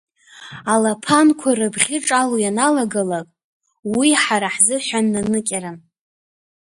Алаԥанқәа рыбӷьы ҿало ианалагалак, уи ҳара ҳзыҳәан наныкьаран.